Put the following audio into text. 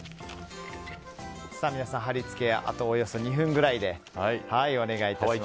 皆さん、貼り付け、あとおよそ２分ぐらいでお願いします。